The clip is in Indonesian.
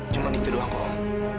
cuman itu doang om